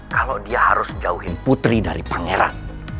kalau dia harus jauhin putri dari pangeran